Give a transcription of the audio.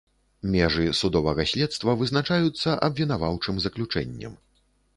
Межы судовага следства вызначаюцца абвінаваўчым заключэннем.